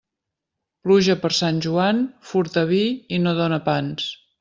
Pluja per Sant Joan, furta vi i no dóna pans.